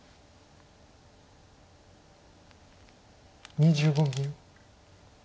２５秒。